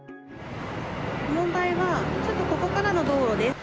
問題は、ちょっとここからの道路です。